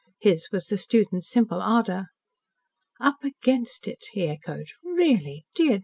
His was the student's simple ardour. "Up against it," he echoed. "Really! Dear!